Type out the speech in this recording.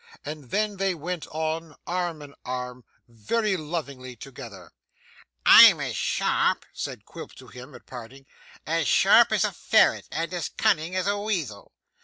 And then they went on arm in arm, very lovingly together. 'I'm as sharp,' said Quilp to him, at parting, 'as sharp as a ferret, and as cunning as a weazel.